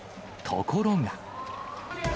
ところが。